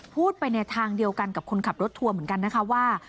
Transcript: พูดไปในทางเดียวกันกับคนขับรถทัวร์เหมือนกันนะคะว่า